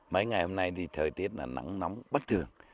mấy ngày hôm nay thì thời tiết là nắng nóng bất thường